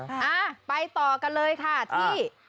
อ่าไปต่อกันเลยค่ะที่